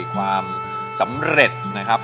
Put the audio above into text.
ความสำเร็จนะครับ